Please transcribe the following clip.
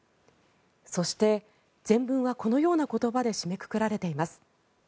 そして、前文はこのような言葉で締めくくられています。